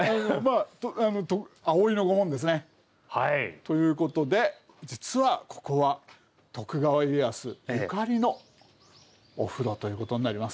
ということで実はここは徳川家康ゆかりのお風呂ということになります。